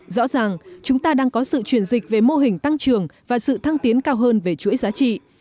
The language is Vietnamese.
rõ ràng chúng ta đang có sự chuyển dịch về mô hình tăng trường và sự thăng tiến cao hơn về chuỗi giá trị